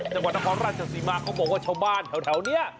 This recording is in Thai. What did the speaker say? จังหวัดนครราชสีมาเขาบอกว่าชาวบ้านแถวนี้